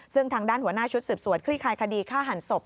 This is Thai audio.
ซึ่งทางด้านหัวหน้าชุดสืบสวนคลี่คลายคดีฆ่าหันศพ